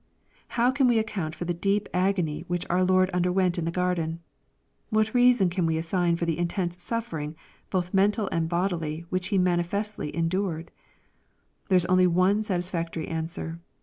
How can'l^'account for the deep agony which our Lord underwent in the garden ? What reason can we assign for the intense suffering, both mental and bodily,\. which he manifestly endured ? There is only one satis . factory answer.